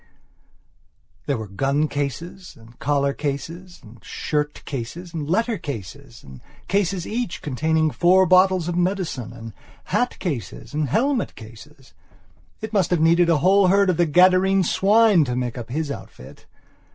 There were gun cases, and collar cases, and shirt cases, and letter cases and cases each containing four bottles of medicine; and hat cases and helmet cases. It must have needed a whole herd of the Gadarene swine to make up his outfit.